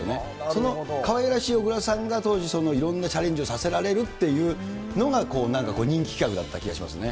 そのかわいらしい小倉さんが、当時、いろんなチャレンジをさせられるっていうのが、なんか人気企画だった気がしますね。